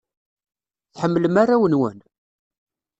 Tḥemmlem arraw-nwen?